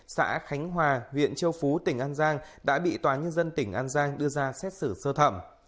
xã khánh hòa huyện châu phú tỉnh an giang đã bị tòa nhân dân tỉnh an giang đưa ra xét xử sơ thẩm